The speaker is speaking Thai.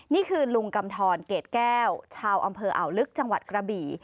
นี่คือลุงกำทรเกรดแก้วชาวอำเภออ่าวลึกจังหวัดกระบี่